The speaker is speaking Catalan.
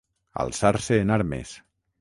Alçar-se en armes.